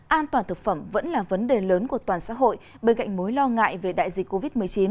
an toàn thực phẩm vẫn là vấn đề lớn của toàn xã hội bên cạnh mối lo ngại về đại dịch covid một mươi chín